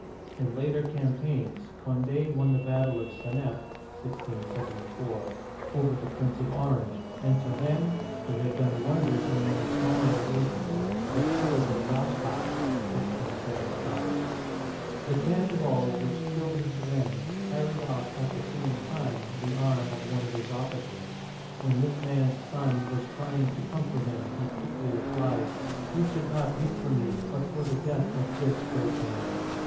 In later campaigns, Cond^ won the battle of Seneffe (se nef, 1674) over the Prince of Orange, and Turenne — who had done wonders in many smaller engagements — was killed at Sasbach (zas'baK, 1675). The cannon ball which killed Turenne carried off at the same time the arm of one of his officers. When this man's son was trying to comfort him, he quickly replied :You should not weep for me, but for the death of this great man.